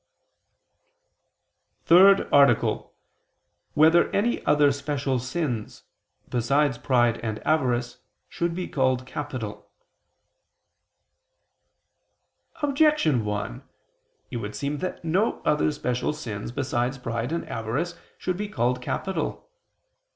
________________________ THIRD ARTICLE [I II, Q. 84, Art. 3] Whether Any Other Special Sins, Besides Pride and Avarice, Should Be Called Capital? Objection 1: It would seem that no other special sins, besides pride and avarice, should be called capital.